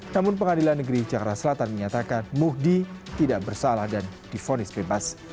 namun pengadilan negeri jakarta selatan menyatakan muhdi tidak bersalah dan difonis bebas